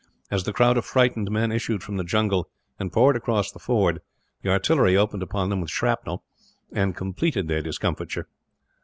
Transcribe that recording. As the crowd of frightened men issued from the jungle, and poured across the ford, the artillery opened upon them with shrapnel, and completed their discomfiture.